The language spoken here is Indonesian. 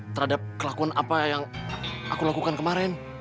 terhadap kelakuan apa yang aku lakukan kemarin